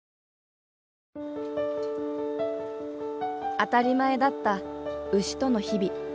当たり前だった牛との日々。